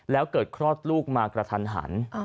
แล้วเกิดคลอดลูกมากระทันหัน